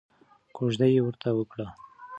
کوژده یې ورته وکړه.